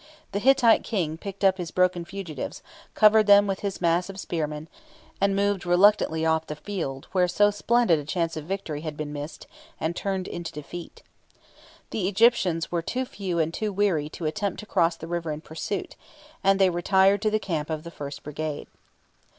The Hittite King picked up his broken fugitives, covered them with his mass of spearmen, and moved reluctantly off the field where so splendid a chance of victory had been missed, and turned into defeat. The Egyptians were too few and too weary to attempt to cross the river in pursuit, and they retired to the camp of the first brigade.